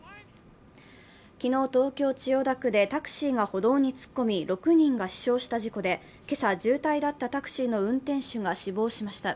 昨日、東京・千代田区でタクシーが歩道に突っ込み６人が死傷した事故で、今朝重体だったタクシーの運転手が死亡しました。